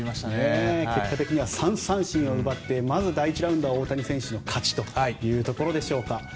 結果的には３三振を奪ってまず第１ラウンドは大谷選手の勝ちというところでしょうか。